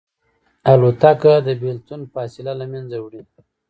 الوتکه د بېلتون فاصله له منځه وړي.